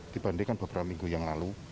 dibandingkan beberapa minggu yang lalu